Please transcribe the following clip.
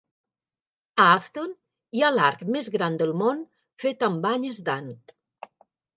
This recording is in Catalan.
A Afton hi ha l'arc més gran del món fet amb banyes d'ant.